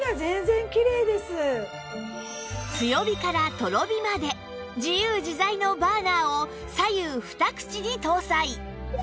強火からとろ火まで自由自在のバーナーを左右２口に搭載